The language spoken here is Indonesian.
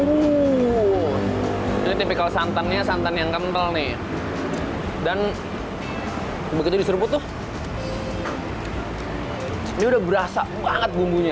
hmm ini tipikal santannya santan yang kental nih dan begitu diserbu tuh ini udah berasa banget bumbunya